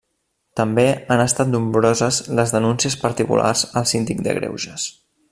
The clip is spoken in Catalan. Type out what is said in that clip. També han estat nombroses les denúncies particulars al Síndic de Greuges.